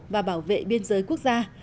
và bảo vệ biên giới quốc gia